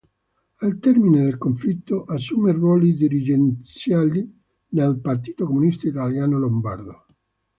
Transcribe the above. Al termine del conflitto assume ruoli dirigenziali nel Partito Comunista Italiano lombardo.